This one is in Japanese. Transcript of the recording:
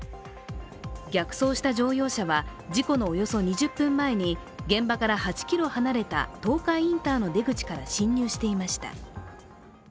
逆走した乗用車は事故のおよそ２０分前に現場から８ｋｍ離れた東海インターの出口から侵入していました。